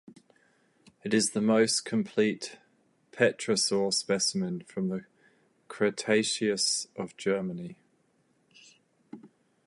It is the most complete pterosaur specimen from the Cretaceous of Germany.